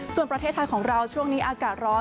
ส่วนประเทศไทยของเราช่วงนี้อากาศร้อน